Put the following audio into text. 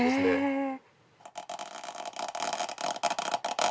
へえ。